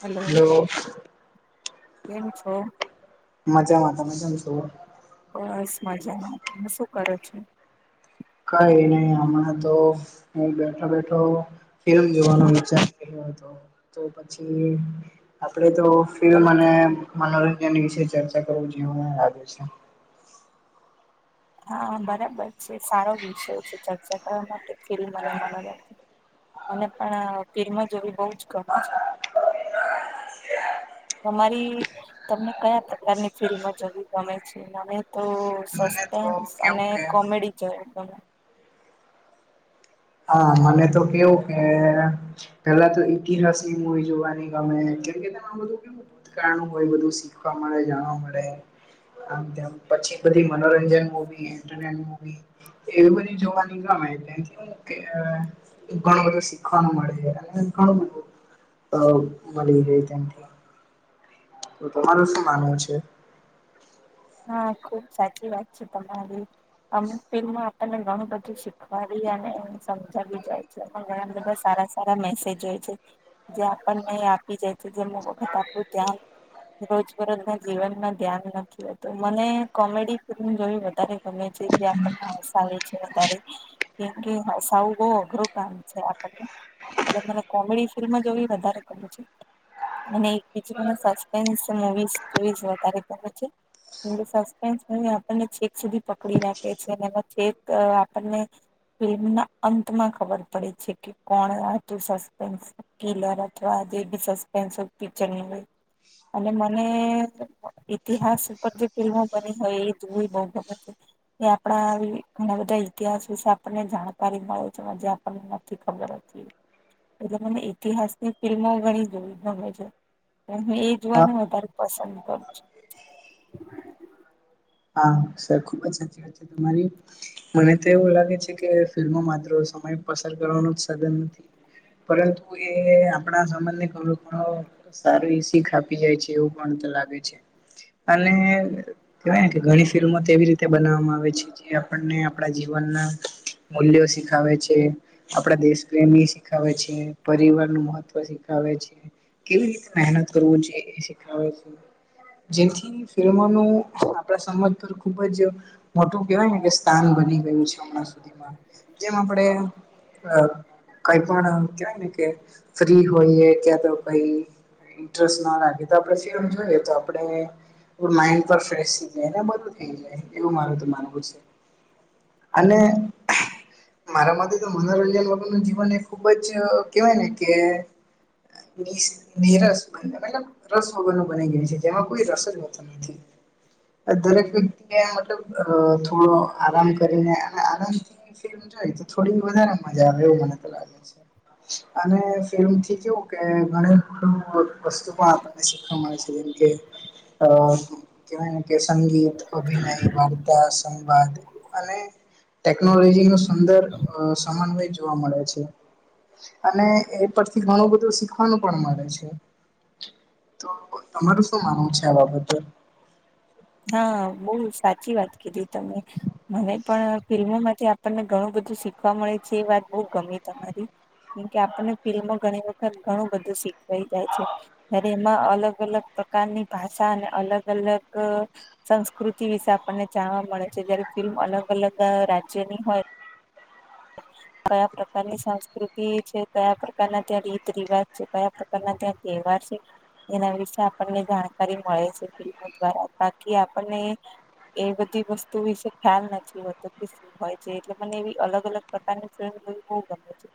Hello કેમ છો મજામાં પણ છેને થોડો બસ મજામાં તમે શું કરો છો કઈ નહી હમણાં તો હું બેઠા બેઠો ફિલ્મ જોવાનો વિચાર કર્યો હતો તો પછી આપણેે તો એ તમે મને મનોરંજન વિશે ચર્ચા કરવું જેવુ મન લાગે છે હા બરાબર છે સારો વિષય છે ચર્ચા કરવા માટે ફિલ્મ [unintelligible] મને પણ ફિલ્મો જોવી બઉ જ ગમે છે. તમારી તમને કયા પ્રકારની ફિલ્મ જોવી ગમે છે? મને તો મને તો સસ્પેન્સ કેવું અને કે કોમેડી જોવી ગમે. હા મને તો કેવું કે પેલા તો ઇતિહાસ ની મુવી જોવાની ગમે કેમ કે આમાં બધું કેવું કામ હોય બધું શીખવા મળે જાણવા મળે આમ તેમ પછી બધી મનોરંજન મુવી ઇન્ટરનેન મુવી એવુ બધી જોવાની ગમે ત્યા થો કે અ ઘણું બધું શીખવાનું મળે છે અને ઘણું બધું [unintelligible] તો તમારું શું માનવું છે? હા, ખુબ સાચી વાત છે તમારી. અમુક ફિલ્મ આપણને ઘણું બધું શીખવાડી અને સમજાવી જાય. ઘણા બધા સારા સારા મેસેજ હોય છે. જે આપણને આપી જાય છે જે અમુક વખત આપણું ધ્યાન રોજબરોજના જીવનમાં ધ્યાન નથી હોતું. તો મને કોમેડી ફિલ્મ જોવી વધારે ગમે છે જે આપને હસાવે છે વધારે. કેમ કે હસાવું બઉ અઘરું કામ છે આપણને. એટલે મને કોમેડી ફિલ્મો જોવી વધારે ગમે છે. અને એકબીજું મને સસ્પેન્સ મુવીસ જોવી વધારે ગમે છે. સસ્પેન્સ મૂવી આપણને છેક સુધી પકડી રાખે છે ને એમાં છેક આપણને ફિલ્મના અંતમાં ખબર પડે છે કે કોણ હતું સસ્પેન્સ. કિલર અથવા જે બી સસ્પેન્સ હોય પિક્ચરની હોય. અને મને ઈતિહાસ પર જે ફિલ્મો બની હોય એ જોવી બઉ ગમે છે. એ આપણા ઘણા બધા ઇતિહાસ વિશે આપણને જાણકારી મળે છે જે આપણને નથી ખબર. એટલે મને ઈતિહાસની ફિલ્મો ઘણી જોવી ગમે છે, પણ હું એ જોવાનું વધારે પસંદ કરું છું. હા સર ખુબ જ સાચી વાત છે તમારી. મને તો એવું લાગે છે કે ફિલ્મો માત્ર સમય પસાર કરવાનું જ સાધન નથી. પરંતુ એ આપણા સમાજને ઘણો ખરો સારી એવી શીખ આપી જાય છે એવું પણ લાગે છે અને કેવાય ને કે ઘણી ફિલ્મો તેવી રીતે બનાવવામાં આવે છે. જે આપણને આપણા જીવનના મૂલ્યો શીખાવે છે. આપણા દેશ પ્રેમી શીખાવે છે, પરિવારનું મહત્વ શીખાવે છે. કેવી રીતે મહેનત કરવું જોઈએ એ શીખાવે છે જેથી ફિલ્મોનું આપણા સમત્ર ખુબ જ મોટું કેવાય ને કે સ્થાન બની ગયું છે હમણાં સુધીમાં. જેમ આપણે અ કંઈ પણ આમ કેવાયને કે ફ્રી હોઈએ કયા તો કંઈ ઇન્ટરસ્ટ ન રાખીએ તો પછી આમ જોઈએ તો આપણે થોડું માઈન્ડ પણ ફ્રેશ થઈ જાય ને બધું થઈ જાય એવું મારું તો માનવું છે. અને મારા માટે તો મનોરંજન વગરનું જીવન એ ખુબ જ કેવાય ને કે નિ નિરસ આમ કેવાય ને કે રસ વગરનું બની ગયું છે જેમાં કોઈ રસ જ હોતો નથી. દરેક વ્યક્તિએ મતલબ થોડો આરામ કરીને અને આરામથી સિન જોઈ તો થોડી વધારે મજા આવે એવું મને તો લાગે છે. અને ફિલ્મથી કેવું કે ઘણી બધું વસ્તુ પણ આપણને શીખવા મળે છે જેમ કે અ કેવાય ને કે સંગીત, અભિનય, વાર્ તા સંવાદ અને ટેકનોલોજી નો સુંદર સમન્વય જોવા મળે છે. અને એ પરથી ઘણું બધું શીખવાનું પણ મળે છે. તો તમારું શું માનવું છે આ બાબતે? હ હા બઉ સાચી વાત કીધી તમે. મને પણ ફિલ્મોમાંથી આપણને ઘણું બધું શીખવા મળે છે એ વાત બઉ ગમી તમારી. કેમ કે આપણને ફિલ્મો ઘણી વખત ઘણું બધું શીખવાઈ જાય છે. ત્યારે એમાં અલગ અલગ પ્રકારની ભાષા અને અલગ અલગ સંસ્કૃતિ વિશે આપણને જાણવા મળે છે જયારે ફિલ્મ અલગ અલગ રાજ્યની હોય હ કયા પ્રકારની સંસ્કૃતિ છે કયા પ્રકારના ત્યાં રીત રિવાજ છે કયા પ્રકારના ત્યાં તહેવાર છે. એના વિશે આપણને જાણકારી મળે છે ફિલ્મો દ્વારા બાકી આપણને એ બધી વસ્તુ વિશે ખ્યાલ નથી હોતો કે શું હોય છે એટલે મને એવી અલગ અલગ પતાને જોય બહુ ગમે છે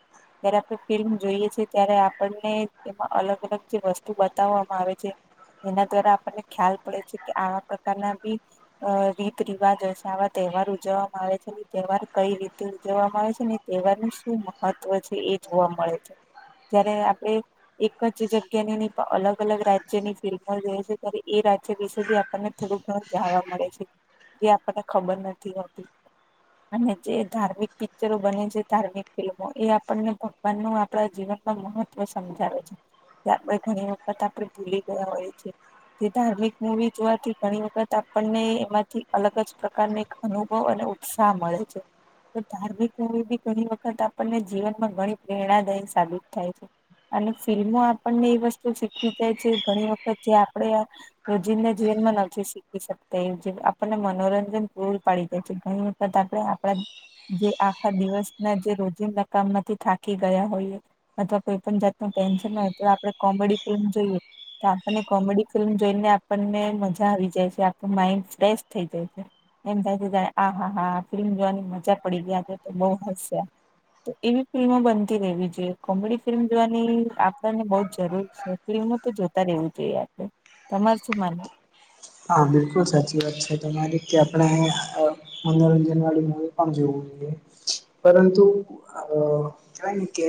જયારે આપણે ફિલ્મ જોઈએ છેએ ત્યારે આપણને એમાં અલગ અલગ જે વસ્તુ બતાવવામાં આવે છે. એના દ્વારા આપણને ખ્યાલ પડે છે કે આવા પ્રકારના બી અ રીત રિવાજ હશે આવા તહેવાર ઉજવવામાં આવે છે તહેવાર કઈ રીતે ઉજવવામાં આવે છે ને તહેવાર નું શું મહત્વ છે એ જોવા મળે છે જયારે આપણે એક જ જગ્યા ની નહી અલગ અલગ રાજ્યની ફિલ્મો રહે છે ત્યારે એ રાજ્ય વિશે બી આપ આપને થોડું ઘણું જાણવા મળે છે એ આપણને ખબર નથી હોતી અને જે ધાર્મિક પિકચરો બને છે ધાર્મિક ફિલ્મો એ આપણને ભગવાન નું આપણા જીવનમાં મહત્વ સમજાવે છે. તબ ઘણી વખત આપણેે ભૂલી ગયા હોય છેીએ જે ધાર્મિક મુવી જોવાથી ઘણી વખત આપણને એમાંથી અલગ જ પ્રકારને અનુભવ અને ઉત્સાહ મળે છે. તો ધાર્મિક રરી બી ઘણી વખત આપણને જીવનમાં ઘણી પ્રેરણાદાયી સાબિત થાય છે. અને ફિલ્મો આપણને એ વસ્તુ શીખવી જાય છે ઘણી વખત જે આપણે રોજીંદને જીવનમાં નથી શીખી શકતા એ આપણને મનોરંજન પૂર પાડી જાય છે ઘણી તત આપણે આપણા જે આખા દિવસના જે રોજિંદા કામમાંથી થાકી ગયા હોય અથવા કોઈ પણ જાતનું ટેન્શન હોય તો આપણે કોમેડી ફિલ્મ જોઈએ તો આપણને કોમેડી ફિલ્મ જોઈને આપણને મજા આવી જાય છે આપણ માઈન્ડ ફ્રેશ થઈ જાય છે. એમ થાય છે જાય આ હા હા ફિલ્મ જોવાની મજા પડી ગયા છે તો બહ હસ્યા તો એવી ફિલ્મો બનતી રહેવી જોઈએ કોમેડી ફિલ્મ જોવાની આપણને બહ જ જરૂર છે. ફું તો જોતા રહેવું જોઈએ આપડે તમાર શું માનવુ હા બિલકુલ સાચી વાત છે તમારી કે આપણે અ મનોરંજન વળી મુવી પણ જરૂરી પરંતુ કહેવાય ને કે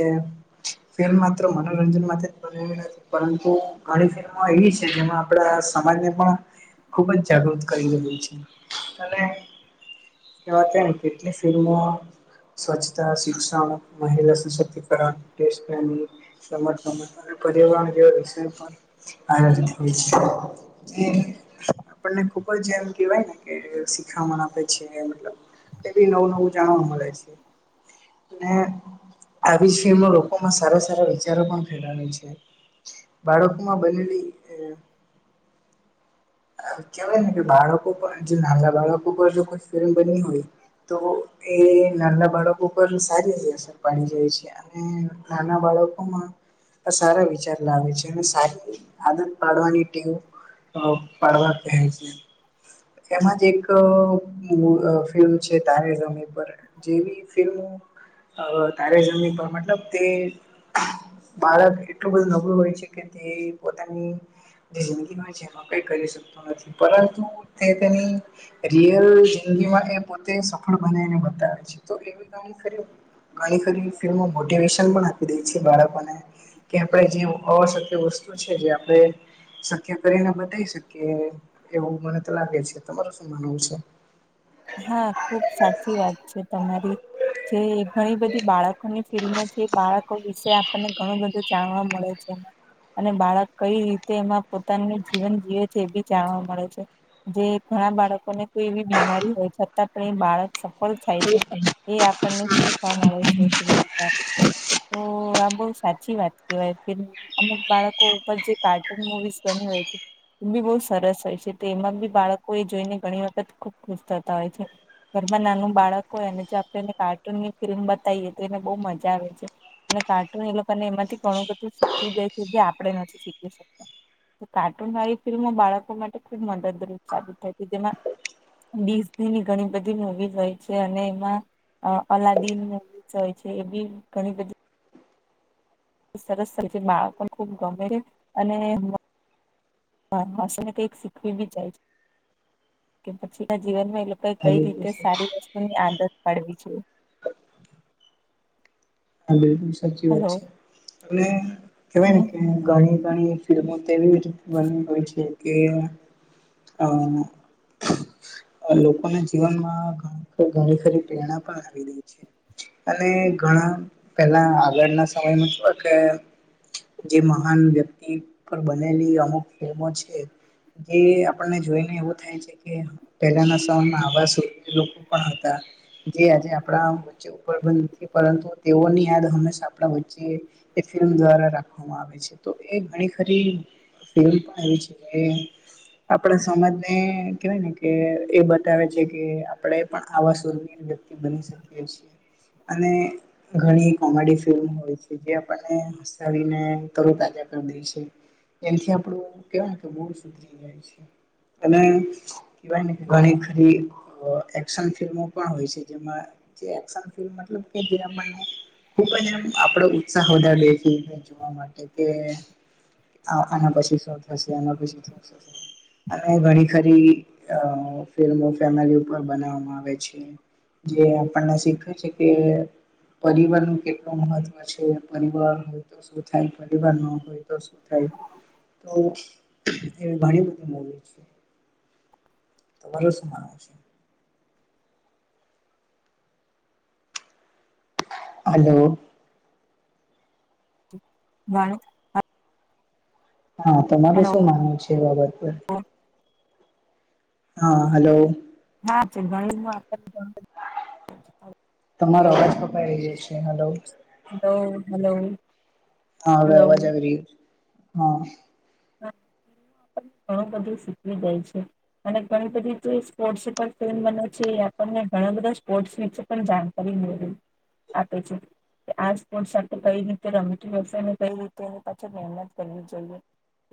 ફેલ માત્ર મનોરંજન માટે પરંતુ ઘણી ફિલ્મો એવી છે જેમાં આપણા સમાજને પણ ખુબ જ જાગૃત કરી રહું છે અને એ વાત ને કેટલી ફિલ્મો સ્વચ્છતા શિક્ષણ મહિલા સશક્તિકરણ દેશ સમ પરરણ જેષ પણ આ હોય છે. આપણને ખુબ જ એમ કેવાય ને કે શીખામણ આપે છે. એ બી નવું નવું જાણવા મળે છે. આવી જ ફિલ્મ લોકોમાં સારા સારા વિચારો પણ ફેલાવે છે. બાળકો માં બનેલી કેહેવાય ને કે બાળકો પર નાના બાળકો પર જો કોઈ ફિલ્મ બની હોય તો એ નાના બાળકો પર સારી હ અસર પાડી રાય છે. અને નાના બાળકોમાં સારા વિચાર લાવે છે અને સારી આદત પાડવાની ટેવ પાડવા ક છે એમાં જ એક છે તારેમી પર જેવી ફિલ્મો તારે જમીન પર મતલબ તે બાળક એટલું બધું નબળું હોય છે પોની જે જિંદગી હોય છે એમાં કઈ કરી શકત નથી પરંતુ ર જંદગીમાં એ પોતે સફળ બનાને બતાવે છે ઘણી ખરી ફિલ્મમાં મોટીવેશન પણ આપી દે છે બાળકોને કે આપણે જે અશક્ય વસ્તુ છે જે આપણે શક્ય કરીને બતાવી શકીએ એવું મને તો લાગે છે તમારું શું માનવું છે. હા ખુબ સાચી વાત છે તમારી જે ઘણી બધી બાળકોની ફિલ્ડમાં છે બાળકો વિશે આપણને ઘણું બધું જાણવા મળે છે એમાં અને બાળક કઈ રીતે એમાં પોતાનું જીવન જીવે છે એ બી જાણવા મળે છે. જે ઘણા બાળકોને કોઈ એવી બીમારી હોય છતાં પણ એ બાળક સફળ થાય છે. એ આપણને શીખવા મળે છે. ઓ આમ બહુ સાચી વાત કેવાય અમુક બાળકો ઉપર જે કાર્ટૂન મુવીસ બની હોય છે. એ બી બહુ સરસ હોય છે તે એમાં બી બાળકો એ જોઈને ઘણી વખત ખુબ ખુશ થતા હોય છે. ઘરમાં નાનું બાળક હોય અનેને જો આપણેને કાર્ટૂનની ફિલ્મ બતાવીએ તો એને બહુ મજા આવે છે. અને કાર્ટૂન એ લોકોને એમાંથી ઘણું બધું શીખવી જાય છે જે આપડણે નથી શીખવી શકતા. કાર્ટૂન આવી ફિલ્મો બાળકો માટે ખુબ મદદરૂપ સાબિત થઈ હતી જેમાં બીસની ઘણી બધી હોવી હોય છે અને એમાં અ અલાદીન ન હોય છે એ બી ઘણી બધી. સરસ થ છે માળ પણ ખૂબ ગમે છે અને માન માસી ને કઈક શીખવી બી જાય છ [inaudible] કે પછી ના જીવનમાં એ લોક કઈ હા કઈ રીતે બિલકુલ સારી વસ્તુની આદત પાડવી છે. હા બિલકુલ સાચી વાત હલો છે અને કેવાય ને હમ કે ઘણી ગણી ફિલ્મો તેવી જ બની હોય છે. કે [unintelligible] લોકોના જીવનમાં ઘણી ખરી પ્રેરણા પણ આવી રહી છે. અને ઘણા પેહલા આગળના સમયમાં થ કે જે મહાન વ્યક્તિ પર બનેલી અમુક ફિલ્મો છે. જે આપણને જોઈને એવું થાય છે કે, પહેલાના સમયમાં આવા લોકો પણ હતા, જે આજે આપડા પરંતુ તેઓની યાદ હંમેશા આપડા વચ્ચે એ ફિલ્મ દ્વારા રાખવામાં આવે છે તો એ ઘણી ખરી [unintelligible] આપડે સમાજ ને કેવાય ને કે એ બતાવે છે કે આપડે પણ આવા સુરની વ્યક્તિ બની શકીએ છીએ અને ઘણી કોમેડી ફિલ્મ હોય છે, જે આપણને હસાવીને તરૂ તાજા કરી દેય છે. એનથી આપડું કેવાય ને કે મૂડ સુધરી જાય છે અને કેવાયને કે ઘણી ખરી એક્શન ફિલ્મો પણ હોય છે, જેમાં જે એક્સન ફિલ્મ [inaudible] ખુબ જ એમ આપડો ઉત્સાહ વધારે જોવા માટે કે, આ આના પછી શું થશે આના પછી અને ઘણી ખરી ફિલ્મો ફેમિલી ઉપર બનાવામાં આવે છે. જે આપણને શીખવે છે કે પરિવારનું કેટલું મહત્વ છે. પરિવાર તો શું થાય પરિવાર ન હોય તો શું થાય? તો એવી ઘણી બધી મૂવી છે તમારું શું માનવું છે? હાલો વાણિત હા તમારું હલો શું માનવું છે એ બાબત પર? હા હલો હા છે ગણિતમાં [inaudible] તમારો હલો અવાજ કપાઈ જાય છે હલો હલો હલો હા હવે અવાજ આવી રહ્યો હા બધું શીખવી દેય છે. અને ઘણી બધી જે સ્પોર્ટસ પર ફિલ્મ બને છે. આપણે ઘણા બધા સ્પોર્ટમેન છે. પણ જાણકારી મેળવી આપે છે. આ સ્પોર્ટ સાથે કઈ રીતે રમતી વ્યવસાયને કઈ રીતે એ પાછી મહેનત કરવી જોઈએ.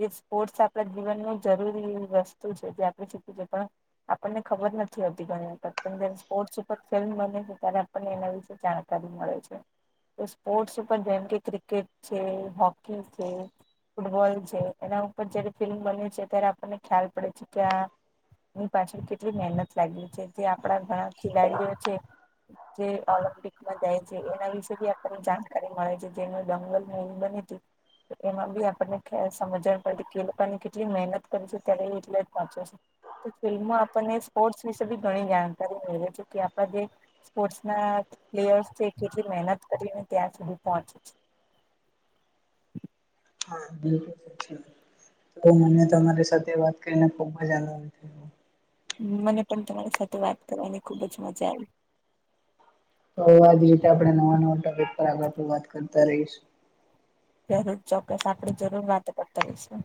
જે સ્પોર્ટસ આપડા જીવનનું જરૂરી વસ્તુ છે. જે આપડે શીખી જતાં આપણને ખબર નથી હોતી ઘણી વાર પણ જયારે સ્પોર્ટ્સ ઉપર ફિલ્મ બને છે ત્યારે, આપણને એના વિશે જાણ તાબિ મળે છે. તો સ્પોર્ટ્સ ઉપર જેમ કે ક્રિકેટ છે હોકી છે, ફૂટબોલ છે. એના ઉપર જયારે ફિલ્મ બન્યું છે ત્યારે આપણને ખ્યાલ પડે છે કે આ એની પાછળ કેટલી મહેનત લાગી છે જે આપણા ઘણા ખેલાડીઓ છે. જે ઓલમ્પિકમાં જાય છે એના વિશે બી આપણને જાણકારી મળે છે જેનું દંગલ મવી બની તું એમાં બી આપણને ખ્યાલ [unintelligible] સમજવા પડે કે એ લોકોની કેટલી મહેનત કરી છે ત્યારે એટલા પહોંચે છે. ફિલ્મમાં આપણને સ્પોર્ટ્સ વિશે બી ઘણી જાણકારી મળ છે કે આપ જે સ્પોર્ટ ના પ્લેયર્સ કેટલી મહેનત કરીને ત્યાં સુધી પહોંચે છે. હા બિલકુલ તો મને તમારી સાથે વાત કરીને ખુબ જ આનંદ હ મને પણ તમારી સાથે વાત કરવાની ખુબ જ મજા આવી. તો આજ રીતે આપણે નવા નવા ટોપિક પર આગળ વાત કરતા રહીશ. જ જ ચોક્કસ આપડી જરૂર વાત કરતા રશું.